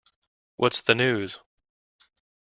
What's the news?